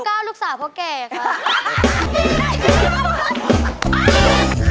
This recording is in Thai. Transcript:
ยกเก้าลูกสาวเพราะแก่ครับ